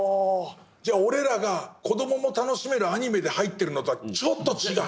じゃあ俺らが子どもも楽しめるアニメで入ってるのとはちょっと違う？